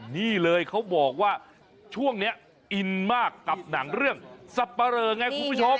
นี่เลยเขาบอกว่าช่วงนี้อินมากกับหนังเรื่องสับปะเรอไงคุณผู้ชม